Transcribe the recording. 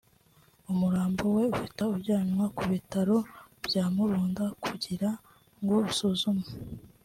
umurambo we uhita ujyanwa ku bitaro bya Murunda kugira ngo usuzumwe